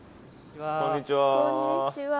こんにちは。